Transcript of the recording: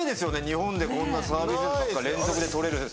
日本でこんなサービスエースばっか連続で取れる選手。